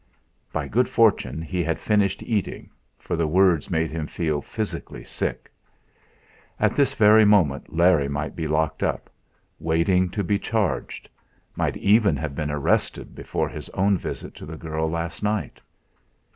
By good fortune he had finished eating, for the words made him feel physically sick. At this very minute Larry might be locked up, waiting to be charged might even have been arrested before his own visit to the girl last night.